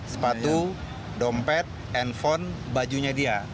sepatu dompet handphone bajunya dia